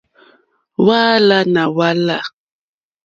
Hwáǎlánà hwá lâ.